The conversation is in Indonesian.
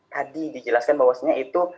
tadi dijelaskan bahwasannya itu